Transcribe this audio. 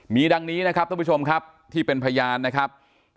มีดังนี้นะครับท่านผู้ชมครับที่เป็นพยานนะครับ